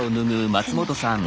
松本さんの。